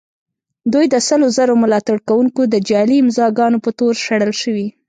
دوی د سلو زرو ملاتړ کوونکو د جعلي امضاء ګانو په تور شړل شوي.